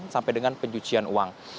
sampai dengan pencucian uang